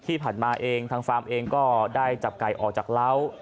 ที่ผ่านมาเองทางฟาร์มเองก็ได้จับไก่ออกจากเล้า